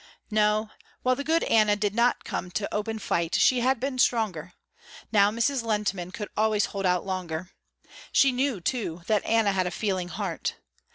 No, while the good Anna did not come to open fight she had been stronger. Now Mrs. Lehntman could always hold out longer. She knew too, that Anna had a feeling heart.